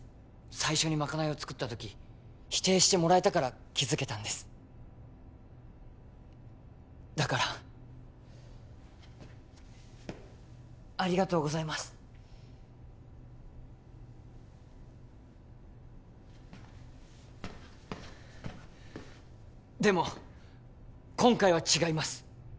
最初にまかないを作った時否定してもらえたから気づけたんですだからありがとうございますでも今回は違います